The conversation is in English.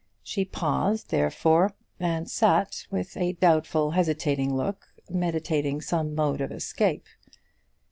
She paused, therefore, and sat with a doubtful, hesitating look, meditating some mode of escape.